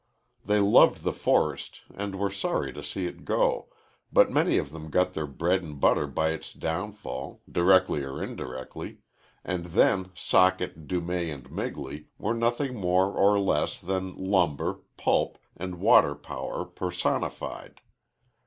They loved the forest and were sorry to see it go, but many of them got their bread and butter by its downfall directly or indirectly and then Socket, Dumay, and Migley were nothing more or less than lumber, pulp, and water power personified.